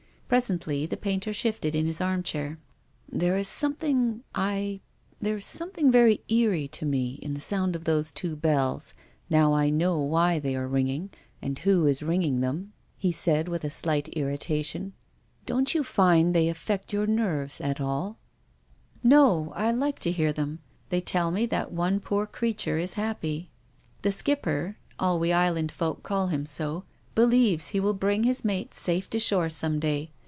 Presently the painter shifted in his armchair. " There is something — I — there is something very eerie to me in the sound of those two bells now I know why they are ringing, and who is ringing them," he said, with a slight irritation. " Don't you find they affect your nerves at all ?" THE RAINBOW. 15 " No. I like to hear them." They tell me that one poor creature is happy. The Skipper — all we Island folk call him so — believes he will bring his mates safe to shore some day.